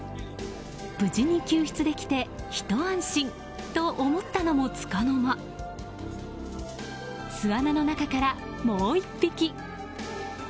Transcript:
無事に救出できてひと安心と思ったのも束の間巣穴の中から、もう１匹。